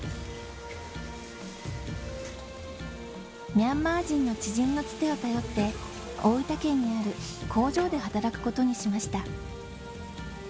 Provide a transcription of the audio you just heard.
ミャンマー人の知人のつてを頼って、大分県にある工場で働くことにしました。